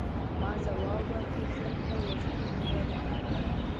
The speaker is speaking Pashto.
ما ځواب ورکړ: زه په وختي اورګاډي کې راغلم.